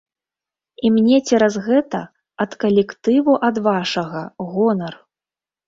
І мне цераз гэта ад калектыву ад вашага гонар.